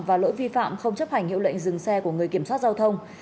và lỗi vi phạm không chấp hành hiệu lệnh dừng xe của người kiểm soát giao thông